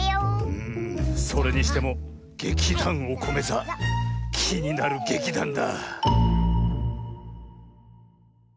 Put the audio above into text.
それにしても劇団おこめ座きになる劇団だ。